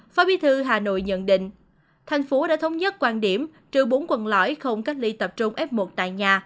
phó bí thư hà nội nhận định thành phố đã thống nhất quan điểm trừ bốn quận lõi không cách ly tập trung f một tại nhà